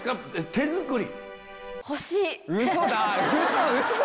手作り。